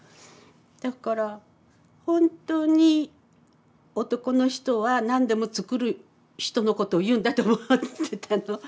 だから本当に男の人は何でも作る人のことを言うんだと思ってたのうん。